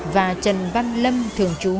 và trần văn lâm thường trú